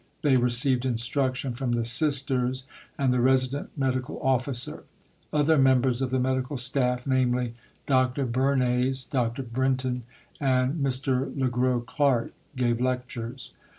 They received instruction from the Sisters and the Resident Medical officer. Other members of the Medical Staff namely, Dr. Bernays, Dr. Brinton, and Mr. Le Gros Clark gave lectures.